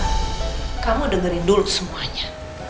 eh kamu dengerin dulu semuanya